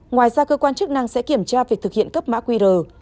ngoài ra cơ quan chức năng sẽ kiểm tra việc thực hiện cấp mã qr